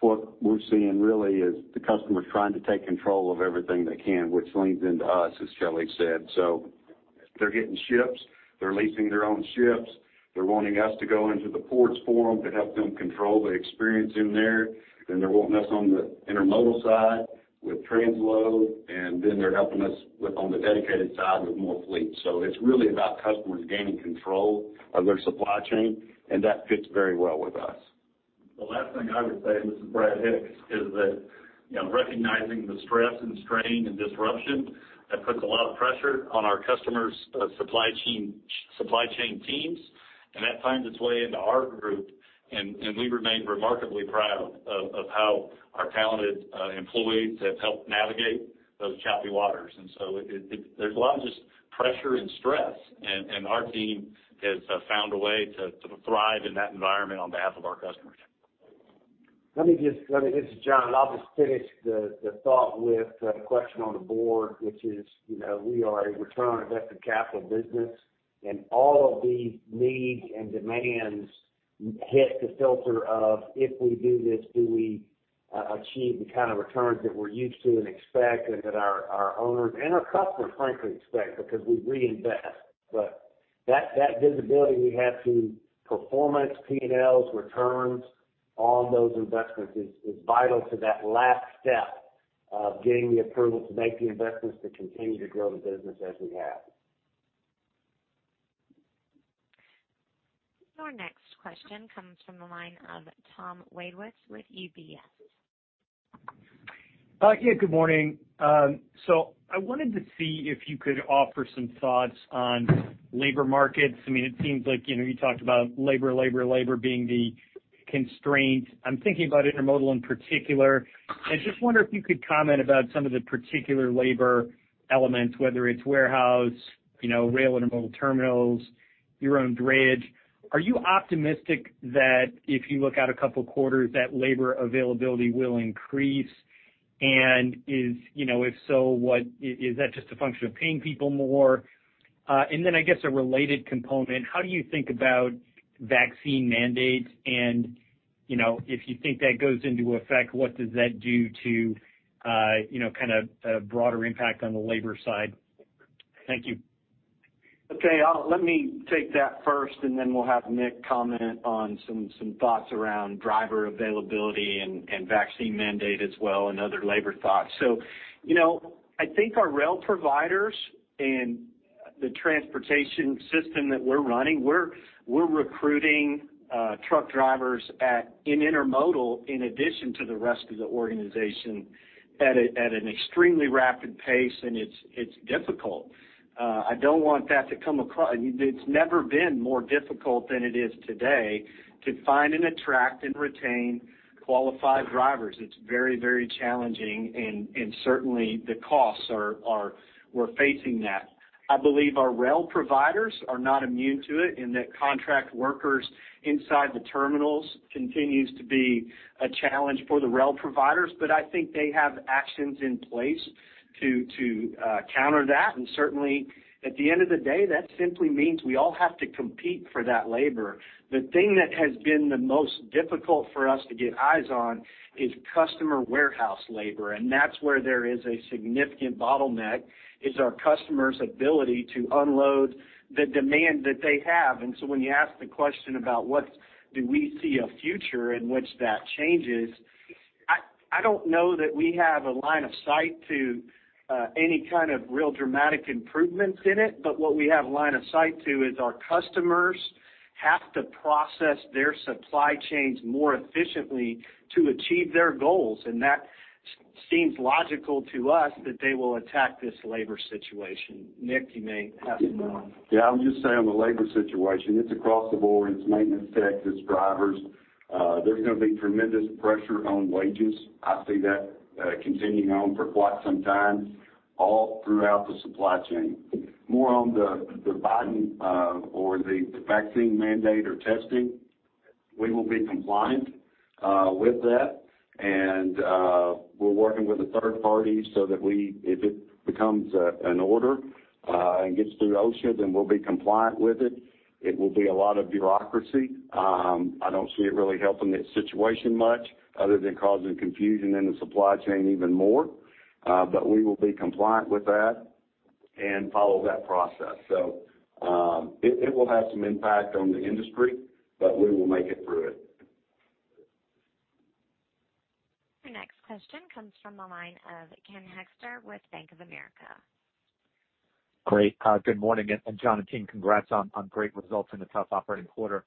what we're seeing really is the customers trying to take control of everything they can, which leans into us, as Shelley said. They're getting ships. They're leasing their own ships. They're wanting us to go into the ports for them to help them control the experience in there. They're wanting us on the Intermodal side with transload, and then they're helping us on the Dedicated side with more fleet. It's really about customers gaining control of their supply chain, and that fits very well with us. The last thing I would say, this is Brad Hicks, is that recognizing the stress and strain and disruption, that puts a lot of pressure on our customers' supply chain teams, and that finds its way into our group, and we remain remarkably proud of how our talented employees have helped navigate those choppy waters. There's a lot of just pressure and stress, and our team has found a way to thrive in that environment on behalf of our customers. This is John. I'll just finish the thought with a question on the board, which is, we are a return on invested capital business, and all of these needs and demands hit the filter of if we do this, do we achieve the kind of returns that we're used to and expect and that our owners and our customers, frankly, expect because we reinvest. That visibility we have to performance, P&Ls, returns on those investments is vital to that last step of getting the approval to make the investments to continue to grow the business as we have. Your next question comes from the line of Tom Wadewitz with UBS. Yeah, good morning. I wanted to see if you could offer some thoughts on labor markets. It seems like you talked about labor being the constraint. I'm thinking about intermodal in particular, and just wonder if you could comment about some of the particular labor elements, whether it's warehouse, rail intermodal terminals, your own drayage. Are you optimistic that if you look out a couple quarters, that labor availability will increase? If so, is that just a function of paying people more? I guess a related component, how do you think about vaccine mandates and, if you think that goes into effect, what does that do to a broader impact on the labor side? Thank you. Okay. Let me take that first, and then we'll have Nick comment on some thoughts around driver availability and vaccine mandate as well, and other labor thoughts. I think our rail providers and the transportation system that we're running, we're recruiting truck drivers at in Intermodal in addition to the rest of the organization at an extremely rapid pace, and it's difficult. It's never been more difficult than it is today to find and attract and retain qualified drivers. It's very challenging, and certainly the costs are, we're facing that. I believe our rail providers are not immune to it, and that contract workers inside the terminals continues to be a challenge for the rail providers. I think they have actions in place to counter that, and certainly, at the end of the day, that simply means we all have to compete for that labor. The thing that has been the most difficult for us to get eyes on is customer warehouse labor, and that's where there is a significant bottleneck, is our customers' ability to unload the demand that they have. When you ask the question about what do we see a future in which that changes? I don't know that we have a line of sight to any kind of real dramatic improvements in it. What we have line of sight to is our customers have to process their supply chains more efficiently to achieve their goals. That seems logical to us that they will attack this labor situation. Nick, you may have some more. Yeah. I'll just say on the labor situation, it's across the board. It's maintenance tech, it's drivers. There's going to be tremendous pressure on wages. I see that continuing on for quite some time, all throughout the supply chain. More on the Biden or the vaccine mandate or testing, we will be compliant with that. We're working with a third party so that if it becomes an order and gets through OSHA, then we'll be compliant with it. It will be a lot of bureaucracy. I don't see it really helping the situation much other than causing confusion in the supply chain even more. We will be compliant with that and follow that process. It will have some impact on the industry, but we will make it through it. Your next question comes from the line of Ken Hoexter with Bank of America. Great. Good morning, and John and team, congrats on great results in a tough operating quarter.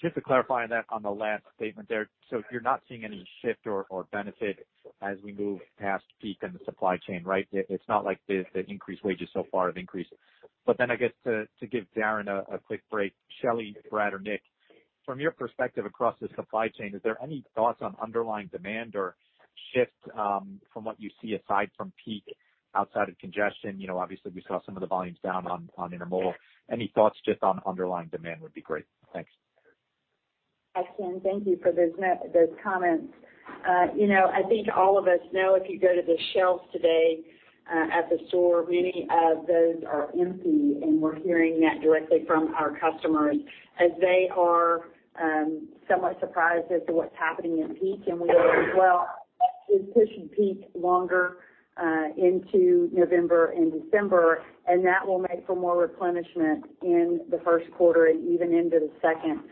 Just to clarify on that, on the last statement there, You're not seeing any shift or benefit as we move past peak in the supply chain, right? It's not like the increased wages so far have increased. I guess to give Darren a quick break, Shelley, Brad, or Nick, from your perspective across the supply chain, is there any thoughts on underlying demand or shift from what you see aside from peak outside of congestion? Obviously we saw some of the volumes down on Intermodal. Any thoughts just on underlying demand would be great. Thanks. Hi, Ken. Thank you for those comments. I think all of us know if you go to the shelves today at the store, many of those are empty, and we're hearing that directly from our customers as they are somewhat surprised as to what's happening in peak. We are as well. That is pushing peak longer into November and December, and that will make for more replenishment in the first quarter and even into the second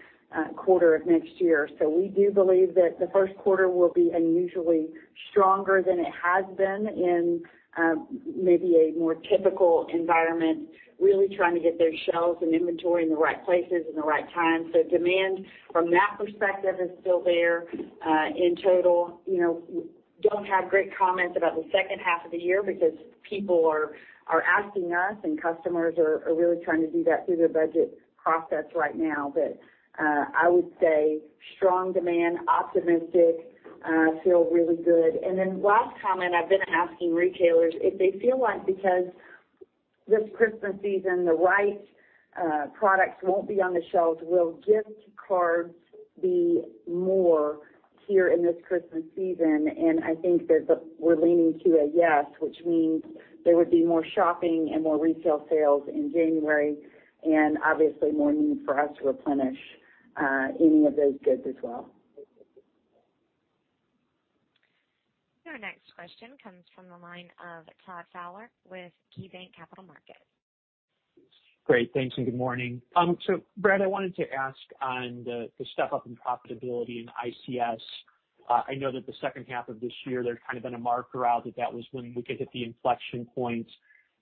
quarter of next year. We do believe that the first quarter will be unusually stronger than it has been in maybe a more typical environment, really trying to get those shelves and inventory in the right places in the right time. Demand from that perspective is still there. In total, don't have great comments about the second half of the year because people are asking us and customers are really trying to do that through their budget process right now. I would say strong demand, optimistic, feel really good. Last comment, I've been asking retailers if they feel like because this Christmas season, the right products won't be on the shelves, will gift cards be more here in this Christmas season? I think that we're leaning to a yes, which means there would be more shopping and more retail sales in January, and obviously more need for us to replenish any of those goods as well. Your next question comes from the line of Todd Fowler with KeyBanc Capital Markets. Great, thanks, good morning. Brad, I wanted to ask on the step up in profitability in ICS. I know that the second half of this year, there's kind of been a marker out that that was when we could hit the inflection point,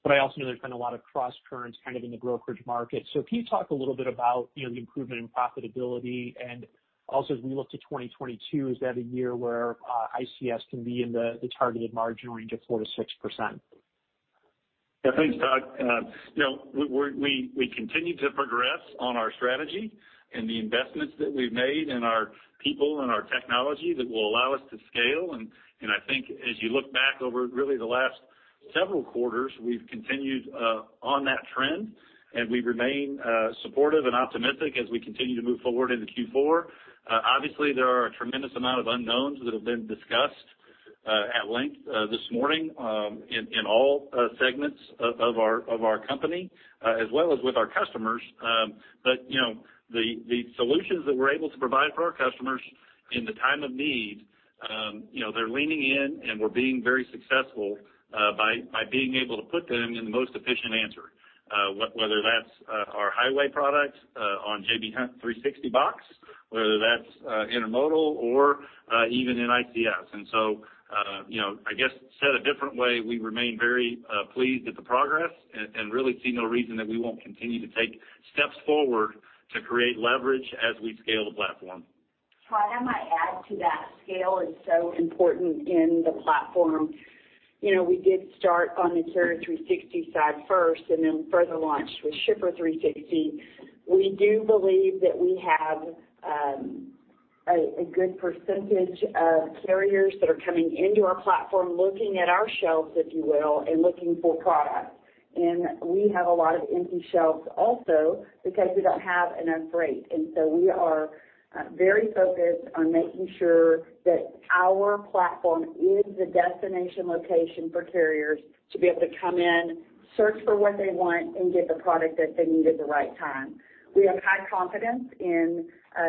but I also know there's been a lot of cross-currents in the brokerage market. Can you talk a little bit about the improvement in profitability? Also, as we look to 2022, is that a year where ICS can be in the targeted margin range of 4%-6%? Yeah, thanks, Todd. We continue to progress on our strategy and the investments that we've made in our people and our technology that will allow us to scale. I think as you look back over really the last several quarters, we've continued on that trend, and we remain supportive and optimistic as we continue to move forward into Q4. Obviously, there are a tremendous amount of unknowns that have been discussed at length this morning in all segments of our company as well as with our customers. The solutions that we're able to provide for our customers in the time of need, they're leaning in, and we're being very successful by being able to put them in the most efficient answer. Whether that's our highway products on J.B. Hunt 360box Whether that's Intermodal or even in ICS. I guess said a different way, we remain very pleased at the progress and really see no reason that we won't continue to take steps forward to create leverage as we scale the platform. Todd, I might add to that. Scale is so important in the platform. We did start on the Carrier 360 side first and then further launched with Shipper 360. We do believe that we have a good percentage of carriers that are coming into our platform, looking at our shelves, if you will, and looking for product. We have a lot of empty shelves also because we don't have enough freight. We are very focused on making sure that our platform is the destination location for carriers to be able to come in, search for what they want, and get the product that they need at the right time. We have high confidence in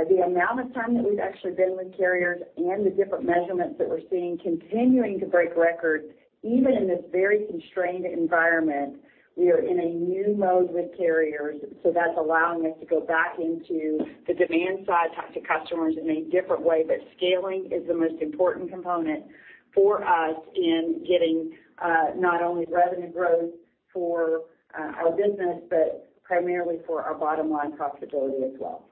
the amount of time that we've actually been with carriers and the different measurements that we're seeing continuing to break records even in this very constrained environment. We are in a new mode with carriers, so that's allowing us to go back into the demand side, talk to customers in a different way. Scaling is the most important component for us in getting not only revenue growth for our business, but primarily for our bottom-line profitability as well.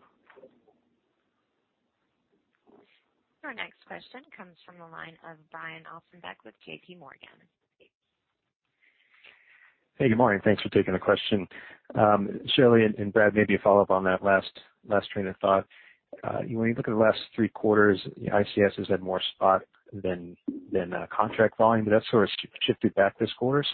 Our next question comes from the line of Brian Ossenbeck with J.P. Morgan. Hey, good morning. Thanks for taking the question. Shelley and Brad, maybe a follow-up on that last train of thought. When you look at the last three quarters, ICS has had more spot than contract volume, but that sort of shifted back this quarter.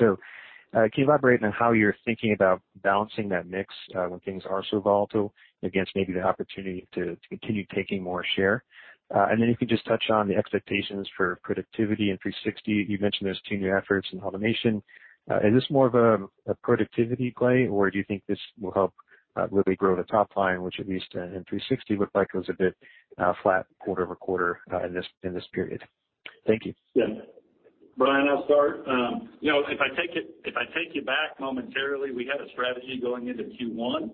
Can you elaborate on how you're thinking about balancing that mix when things are so volatile against maybe the opportunity to continue taking more share? If you could just touch on the expectations for productivity in 360. You mentioned those two new efforts in automation. Is this more of a productivity play, or do you think this will help really grow the top line, which at least in 360 looked like it was a bit flat quarter-over-quarter in this period? Thank you. Yeah. Brian, I'll start. If I take you back momentarily, we had a strategy going into Q1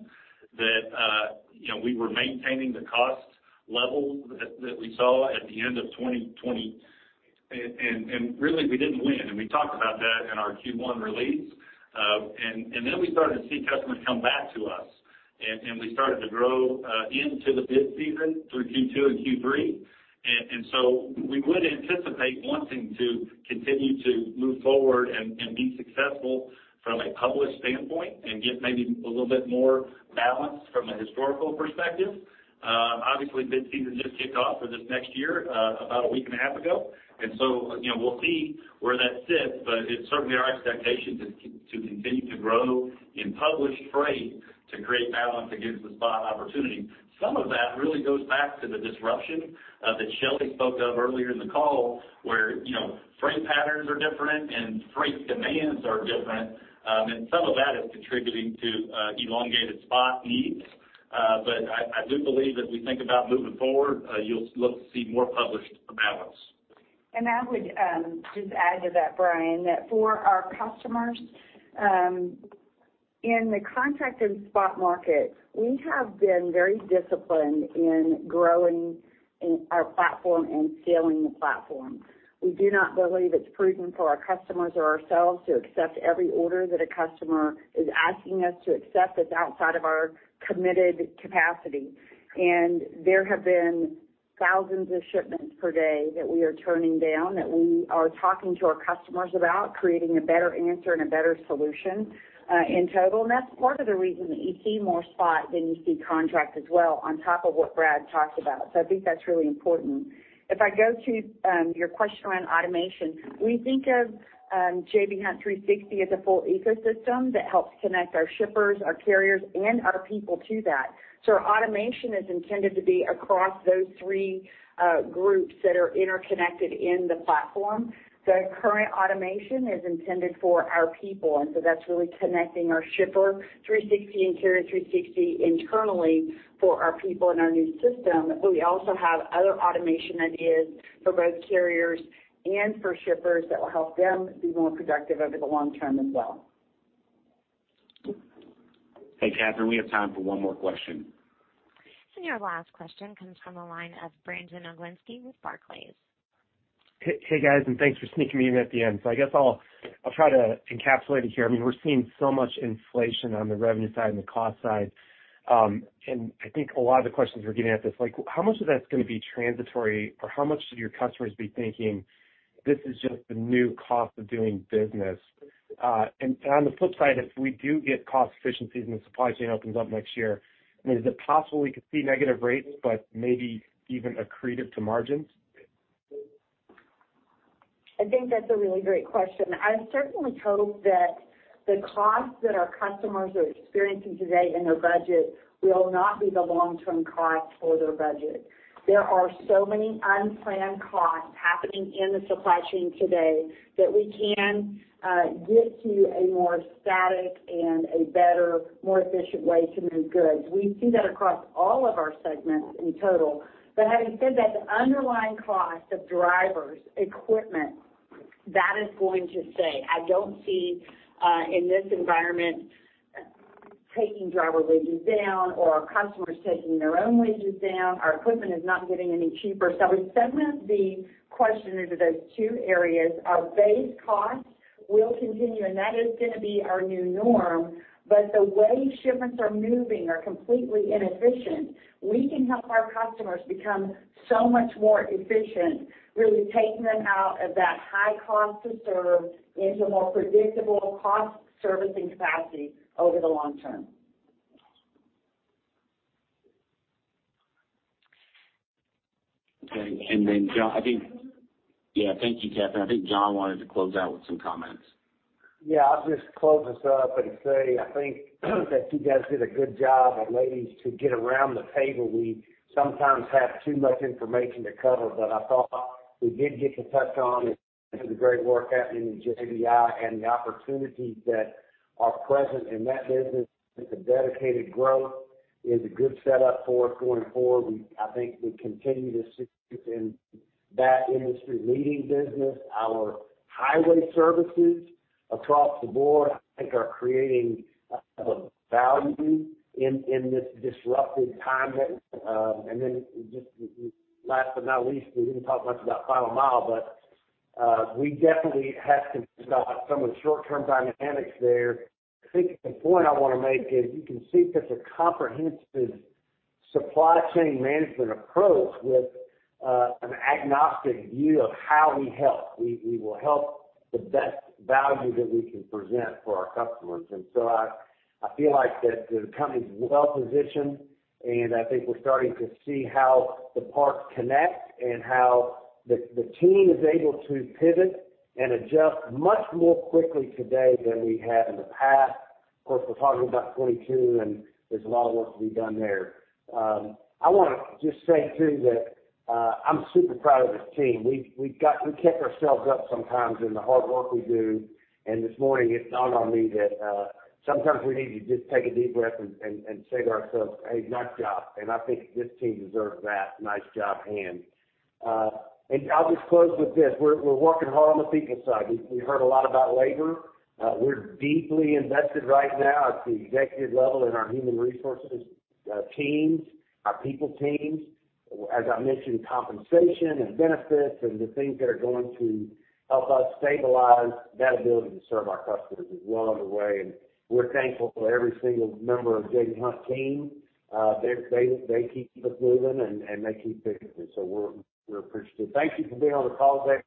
that we were maintaining the cost level that we saw at the end of 2020. Really, we didn't win. We talked about that in our Q1 release. We started to see customers come back to us, and we started to grow into the bid season through Q2 and Q3. We would anticipate wanting to continue to move forward and be successful from a published standpoint and get maybe a little bit more balance from a historical perspective. Obviously, bid season just kicked off for this next year, about a week and a half ago. We'll see where that sits, but it's certainly our expectation to continue to grow in published freight to create balance against the spot opportunity. Some of that really goes back to the disruption that Shelley spoke of earlier in the call, where freight patterns are different and freight demands are different. Some of that is contributing to elongated spot needs. I do believe as we think about moving forward, you'll look to see more published balance. I would just add to that, Brian, that for our customers, in the contract and spot market, we have been very disciplined in growing our platform and scaling the platform. We do not believe it's prudent for our customers or ourselves to accept every order that a customer is asking us to accept that's outside of our committed capacity. There have been thousands of shipments per day that we are turning down, that we are talking to our customers about creating a better answer and a better solution in total. That's part of the reason that you see more spot than you see contract as well, on top of what Brad talked about. I think that's really important. If I go to your question around automation, we think of J.B. Hunt 360 as a full ecosystem that helps connect our shippers, our carriers, and our people to that. Our automation is intended to be across those three groups that are interconnected in the platform. Current automation is intended for our people, that's really connecting our Shipper 360 and Carrier 360 internally for our people in our new system. We also have other automation ideas for both carriers and for shippers that will help them be more productive over the long term as well. Hey, Catherine, we have time for one more question. Your last question comes from the line of Brandon Oglenski with Barclays. Hey, guys, thanks for sneaking me in at the end. I guess I'll try to encapsulate it here. We're seeing so much inflation on the revenue side and the cost side. I think a lot of the questions we're getting at this, how much of that's going to be transitory or how much should your customers be thinking this is just the new cost of doing business? On the flip side, if we do get cost efficiencies and the supply chain opens up next year, I mean, is it possible we could see negative rates but maybe even accretive to margins? I think that's a really great question. I certainly hope that the costs that our customers are experiencing today in their budget will not be the long-term cost for their budget. There are so many unplanned costs happening in the supply chain today that we can get to a more static and a better, more efficient way to move goods. We see that across all of our segments in total. Having said that, the underlying cost of drivers, equipment, that is going to stay. I don't see in this environment taking driver wages down or our customers taking their own wages down. Our equipment is not getting any cheaper. We segment the question into those two areas. Our base costs will continue, and that is going to be our new norm. The way shipments are moving are completely inefficient. We can help our customers become so much more efficient, really taking them out of that high cost to serve into a more predictable cost servicing capacity over the long term. Okay. John, I think Yeah, thank you, Catherine. I think John wanted to close out with some comments. Yeah, I'll just close us up and say, I think that you guys did a good job, and ladies, to get around the table. We sometimes have too much information to cover, but I thought we did get to touch on the great work happening in JBI and the opportunities that are present in that business with the dedicated growth is a good setup for us going forward. I think we continue to see in that industry-leading business. Our Highway Services across the board, I think, are creating value in this disruptive time. Just last but not least, we didn't talk much about Final Mile Services, but we definitely have to figure out some of the short-term dynamics there. I think the point I want to make is you can see such a comprehensive supply chain management approach with an agnostic view of how we help. We will help the best value that we can present for our customers. I feel like that the company's well-positioned, and I think we're starting to see how the parts connect and how the team is able to pivot and adjust much more quickly today than we have in the past. Of course, we're talking about 2022, and there's a lot of work to be done there. I want to just say, too, that I'm super proud of this team. We kept ourselves wrapped upsometimes in the hard work we do, and this morning it dawned on me that sometimes we need to just take a deep breath and say to ourselves, "Hey, nice job." I think this team deserves that nice job hand. I'll just close with this. We're working hard on the people side. We heard a lot about labor. We're deeply invested right now at the executive level in our human resources teams, our people teams. As I mentioned, compensation and benefits and the things that are going to help us stabilize that ability to serve our customers is one of the ways. We're thankful for every single member of the J.B. Hunt team. They keep us moving, and they keep business. We're appreciative. Thank you for being on the call today.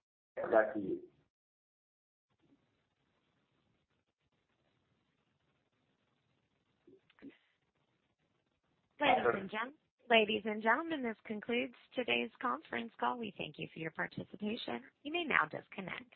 Back to you. Ladies and gentlemen, this concludes today's conference call. We thank you for your participation. You may now disconnect.